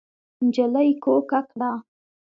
نجلۍ کوکه کړه.